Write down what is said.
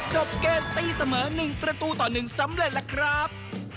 จบเกมตี้เสมอหนึ่งประตูต่อนึงซ้ำเรียนละครับ